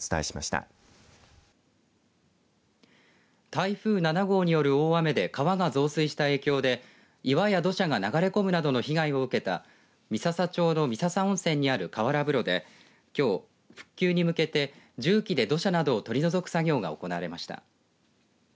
台風７号による大雨で川が増水した影響で岩や土砂が流れ込むなどの被害を受けた三朝町の三朝温泉にある河原風呂できょう復旧に向けて重機で土砂などを取り除く作業が行われました。